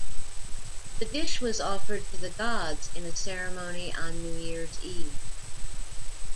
The dish was offered to the gods in a ceremony on New Year's Eve.